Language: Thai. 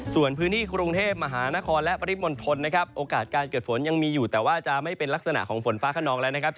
ส่วนพื้นที่กรุงเทพมหานครและปริมณฑลนะครับโอกาสการเกิดฝนยังมีอยู่แต่ว่าจะไม่เป็นลักษณะของฝนฟ้าขนองแล้วนะครับ